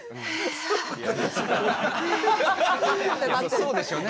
そうでしょうね。